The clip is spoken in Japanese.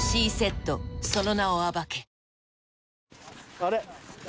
あれ？